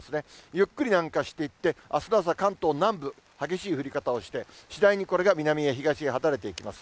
ゆっくり南下していって、あすの朝、関東南部、激しい降り方をして、次第にこれが南へ、東へ離れていきます。